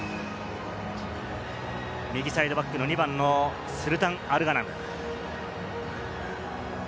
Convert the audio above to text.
右サイドバックの２番のスルタン・アルガナム。